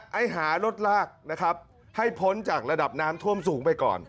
ให้หารถลากนะครับให้พ้นจากระดับน้ำท่วมสูงไปก่อน